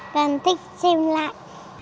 con thích xem lại